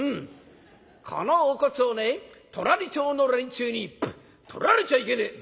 このお骨をね隣町の連中にとられちゃいけねえ！」。